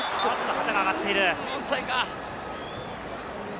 旗が上がっている。